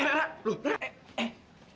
eh rana lo rana eh eh